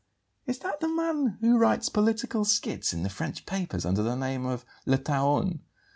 "Is that the man who writes political skits in the French papers under the name of 'Le Taon'?"